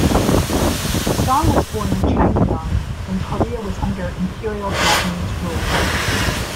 Song was born in Changnyeong when Korea was under Imperial Japanese rule.